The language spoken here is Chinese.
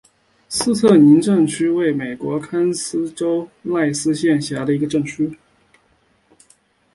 斯特宁镇区为美国堪萨斯州赖斯县辖下的镇区。